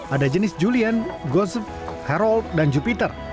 ada jenis julian goz harold dan jupiter